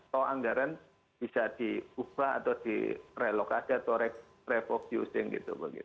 so anggaran bisa diubah atau direlock aja atau revocusing gitu begitu